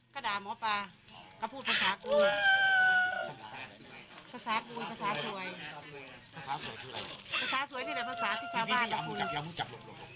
ก็ด่าหมอปลาก็พูดภาษากูภาษากูภาษาสวยภาษาสวยที่ไหนภาษาที่ชาวบ้าน